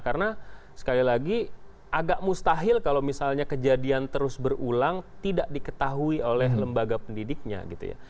karena sekali lagi agak mustahil kalau misalnya kejadian terus berulang tidak diketahui oleh lembaga pendidiknya gitu ya